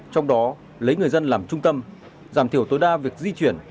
trong đó lấy người dân làm trung tâm giảm thiểu tối đa việc di chuyển